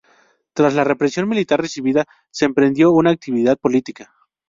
Tras la represión militar recibida, se emprendió una actividad política.